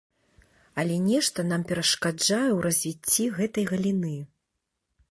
Але нешта нам перашкаджае ў развіцці гэтай галіны.